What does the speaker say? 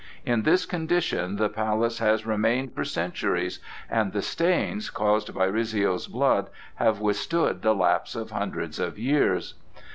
In this condition the Palace has remained for centuries and the stains caused by Rizzio's blood have withstood the lapse of hundreds of years.